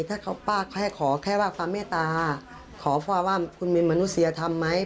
ถ้าเขาป้าแค่ขอแค่ว่าความเมตตาขอพ่อว่าคุณมีมนุษยธรรมไหม